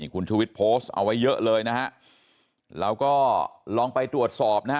คุณชูวิทย์โพสต์เอาไว้เยอะเลยนะฮะเราก็ลองไปตรวจสอบนะฮะ